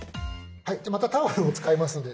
またタオルを使いますので。